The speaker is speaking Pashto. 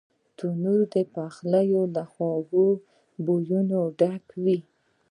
تنور د پخلي له خوږو بویونو ډک وي